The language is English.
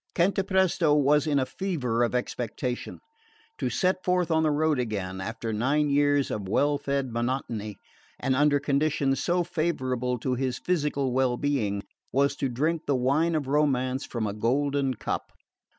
Cantapresto was in a fever of expectation. To set forth on the road again, after nine years of well fed monotony, and under conditions so favourable to his physical well being, was to drink the wine of romance from a golden cup.